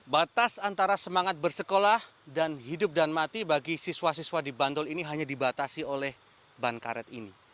batas antara semangat bersekolah dan hidup dan mati bagi siswa siswa di bantul ini hanya dibatasi oleh ban karet ini